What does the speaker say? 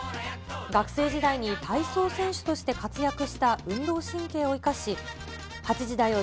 学生時代に体操選手として活躍した運動神経を生かし、８時だョ！